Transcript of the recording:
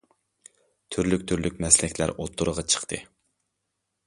تۈرلۈك- تۈرلۈك مەسلەكلەر ئوتتۇرىغا چىقتى.